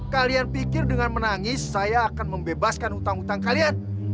kalian pikir dengan menangis saya akan membebaskan utang utang kalian